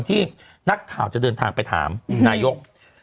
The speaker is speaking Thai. ที่นักข่าวจะเดินทางไปถามนายก